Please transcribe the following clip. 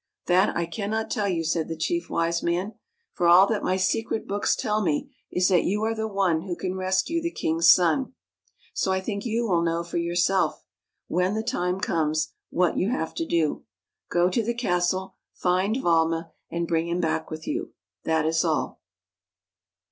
" That I can not tell you," said the Chief Wise 130 THE CASTLE UNDER THE SEA Man, " for all that my secret books tell me is that you are the one who can rescue the king's son. So I think you will know for yourself, when the time comes, what you have to do. Go to the castle, find Valma, and bring him back with you, — that is all."